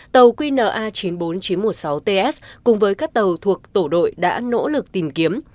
tàu qna chín mươi bốn nghìn chín trăm một mươi sáu ts cùng với các tàu thuộc tổ đội đã nỗ lực tìm kiếm